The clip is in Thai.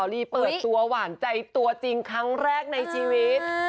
ผมเห็นว่ามันน่ารักดี